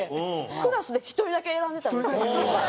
クラスで１人だけ選んでたんですよ。